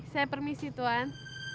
saya permisi tuan